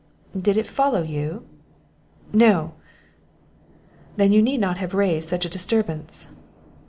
"Did it follow you?" "No." "Then you need not have raised such a disturbance."